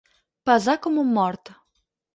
Pesar com un mort.